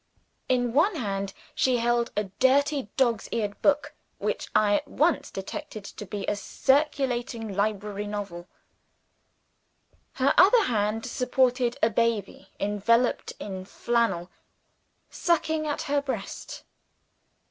In one hand, she held a dirty dogs' eared book, which I at once detected to be a Circulating Library novel. Her other hand supported a baby enveloped in flannel, sucking at her breast.